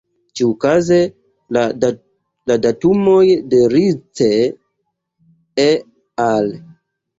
Ĉiukaze, la datumoj de Rice "et al.